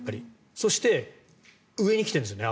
そして、上に来ているんですよね